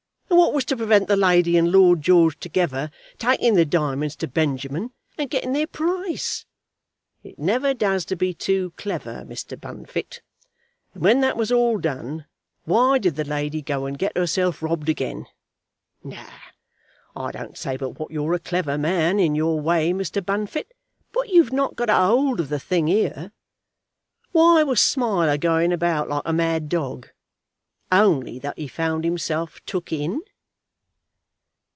And what was to prevent the lady and Lord George together taking the diamonds to Benjamin and getting their price? It never does to be too clever, Mr. Bunfit. And when that was all done, why did the lady go and get herself robbed again? No; I don't say but what you're a clever man, in your way, Mr. Bunfit; but you've not got a hold of the thing here. Why was Smiler going about like a mad dog, only that he found himself took in?"